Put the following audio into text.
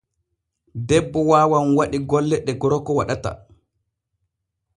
Debbo waawan waɗi golle ɗ e gorgo waɗata.